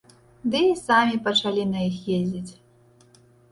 Ды і самі пачалі на іх ездзіць.